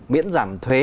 miễn giảm thuế